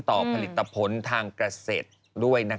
ต่อผลิตผลทางเกษตรด้วย